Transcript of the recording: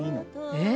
「えっ？」